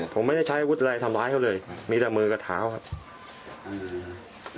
ผมไม่ได้ใช้อาวุธอะไรทำร้ายเขาเลยมีแต่มือกับเท้าครับ